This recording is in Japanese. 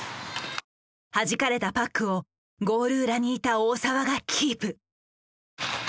はじかれたパックをゴール裏にいた大澤がキープ。